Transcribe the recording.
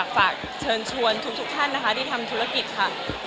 ฝากเชิญชวนทุกท่านนะคะที่ทำธุรกิจค่ะ